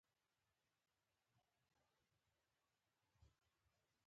خوب د خیالاتو مزل ته دروازه ده